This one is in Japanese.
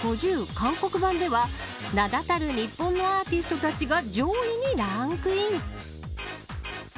韓国版では名だたる日本のアーティストたちが上位にランクイン。